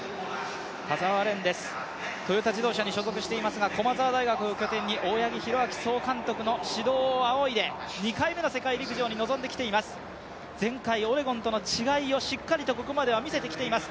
田澤廉、トヨタ自動車に所属していますが大八木弘明総監督の指導を仰いで、２回目の世界陸上に臨んできています、前回オレゴンとの違いをしっかりとここまでは見せてきています。